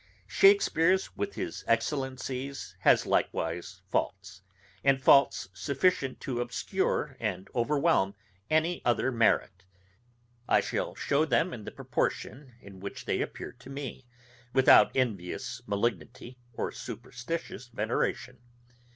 Shakespeare with his excellencies has likewise faults, and faults sufficient to obscure and overwhelm any other merit. I shall shew them in the proportion in which they appear to me, without envious malignity or superstitious veneration.